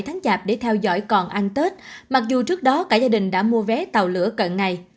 vợ chồng chị đã mua vé máy bay để theo dõi còn ăn tết mặc dù trước đó cả gia đình đã mua vé tàu lửa cận ngày